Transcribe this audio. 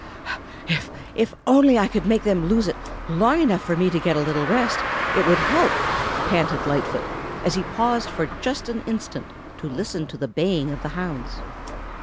"If only I could make them lose it long enough for me to get a little rest, it would help," panted Lightfoot, as he paused for just an instant to listen to the baying of the hounds.